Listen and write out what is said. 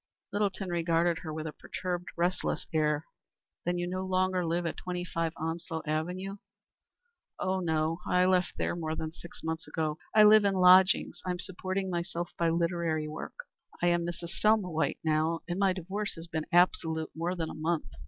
Littleton regarded her with a perturbed, restless air. "Then you live no longer at 25 Onslow Avenue?" "Oh, no. I left there more than six months ago. I live in lodgings. I am supporting myself by literary work. I am Mrs. Selma White now, and my divorce has been absolute more than a month."